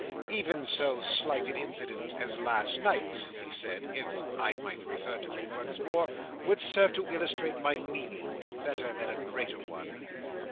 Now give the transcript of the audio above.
"Even so slight an incident as last night's," he said, "if I might refer to it once more, would serve to illustrate my meaning, better than a greater one.